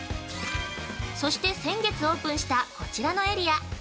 そして、先月オープンしたこちらのエリア。